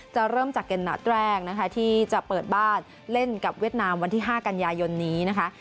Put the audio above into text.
เริ่มจากเกมนัดแรกนะคะที่จะเปิดบ้านเล่นกับเวียดนามวันที่๕กันยายนนี้นะคะ